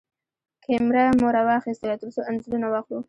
کېمره مو راواخيستله ترڅو انځورونه واخلو.